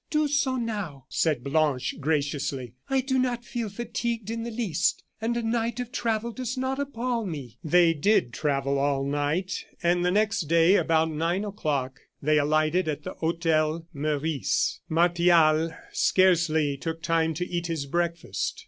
"Do so now," said Blanche, graciously; "I do not feel fatigued in the least, and a night of travel does not appall me." They did travel all night, and the next day, about nine o'clock, they alighted at the Hotel Meurice. Martial scarcely took time to eat his breakfast.